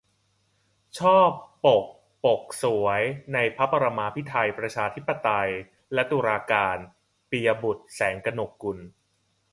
ชอบปก ปกสวย ในพระปรมาภิไธย ประชาธิปไตย และตุลาการ - ปิยะบุตร แสงกนกกุล